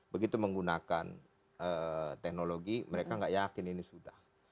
begitu menggunakan teknologi mereka nggak yakin ini sudah